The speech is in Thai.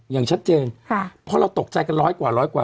อย่างชัดเจนค่ะเพราะเราตกใจกันร้อยกว่าร้อยกว่า